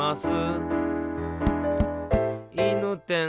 「いぬてん」